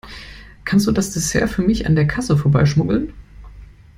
Kannst du das Dessert für mich an der Kasse vorbeischmuggeln?